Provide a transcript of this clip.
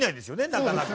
なかなか。